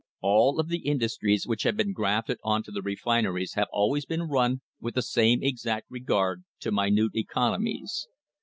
All of the industries which have been grafted on to the refin eries have always been run with the same exact regard to minute economies.